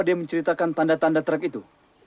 apa dia menceritakan tanda tanda terak itu